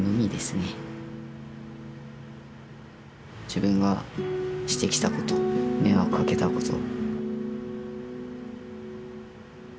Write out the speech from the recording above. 自分がしてきたこと迷惑かけたこと。